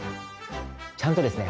ちゃんとですね